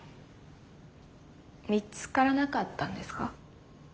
見つからなかったんですか？